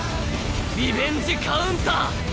「リベンジ・カウンター」！